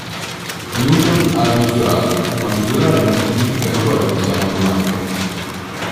Newton ha misurato, ma misurare non significa ancora che sia matematica.